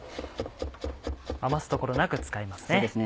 余すところなく使いますね。